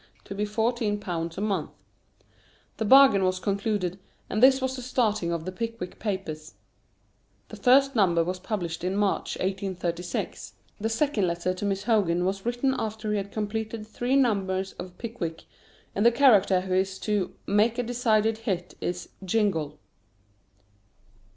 to be fourteen pounds a month. The bargain was concluded, and this was the starting of "The Pickwick Papers." The first number was published in March, 1836. The second letter to Miss Hogarth was written after he had completed three numbers of "Pickwick," and the character who is to "make a decided hit" is "Jingle."